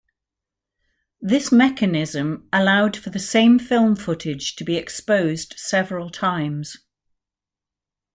This mechanism allowed for the same film footage to be exposed several times.